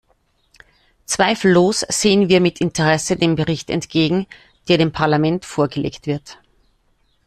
Zweifellos sehen wir mit Interesse dem Bericht entgegen, der dem Parlament vorgelegt wird.